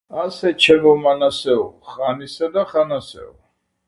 ასე, ჩემო მანასეო, ხან ისე და ხან – ასეო.